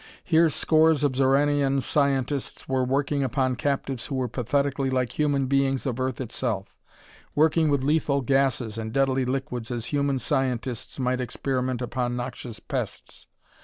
Here scores of Xoranian scientists were working upon captives who were pathetically like human beings of Earth itself, working with lethal gases and deadly liquids as human scientists might experiment upon noxious pests.